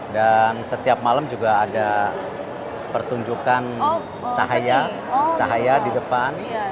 dan setiap malam juga ada pertunjukan cahaya di depan